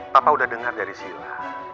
papa udah dengar dari sila